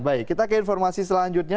baik kita ke informasi selanjutnya